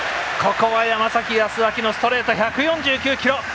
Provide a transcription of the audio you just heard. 山崎康晃のストレート、１４９キロ。